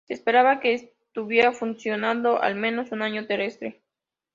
Se esperaba que estuviera funcionando al menos un año terrestre.